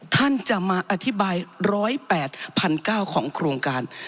ท่านจะมาอธิบายร้อยแปดพันก้าวของโครงการ